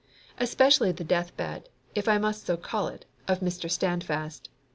Especially the deathbed, if I must so call it, of Mr. Standfast.